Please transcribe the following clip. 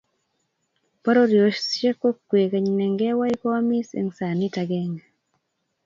Pororiosiek ko kwekeny nengewai koamis eng sanit agenge